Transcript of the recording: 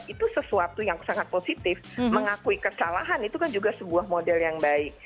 itu sesuatu yang sangat positif mengakui kesalahan itu kan juga sebuah model yang baik